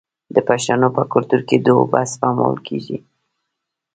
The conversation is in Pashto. د پښتنو په کلتور کې د اوبو سپمول کیږي.